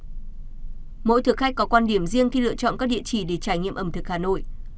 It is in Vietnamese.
mỗi thực khách có quan điểm riêng khi lựa chọn các địa chỉ để trải nghiệm ẩm thực hà nội